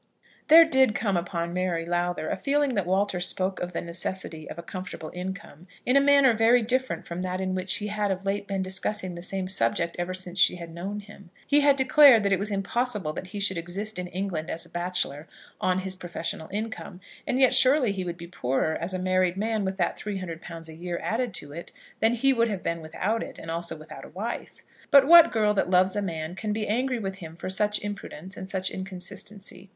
There did come upon Mary Lowther a feeling that Walter spoke of the necessity of a comfortable income in a manner very different from that in which he had of late been discussing the same subject ever since she had known him. He had declared that it was impossible that he should exist in England as a bachelor on his professional income, and yet surely he would be poorer as a married man with that £300 a year added to it, than he would have been without it, and also without a wife. But what girl that loves a man can be angry with him for such imprudence and such inconsistency?